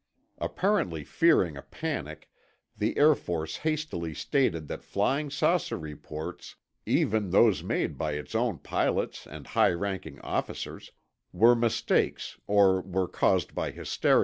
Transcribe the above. Apparently fearing a panic, the Air Force hastily stated that flying saucer reports—even those made by its own pilots and high ranking officers—were mistakes or were caused by hysteria.